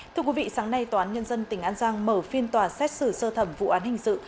thưa quý vị sáng nay tòa án nhân dân tỉnh an giang mở phiên tòa xét xử sơ thẩm vụ án hình sự